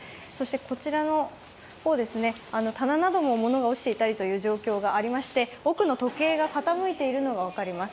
こちらの方、棚なども物が落ちていたりという状況がありまして、奥の時計が傾いているのが分かります。